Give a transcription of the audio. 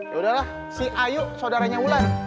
yaudahlah si ayo saudaranya ular